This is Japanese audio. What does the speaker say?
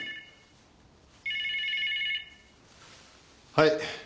はい。